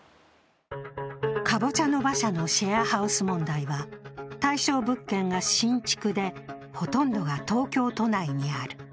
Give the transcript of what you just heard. かぼちゃの馬車のシェアハウス問題は、対象物件が新築でほとんどが東京都内にある。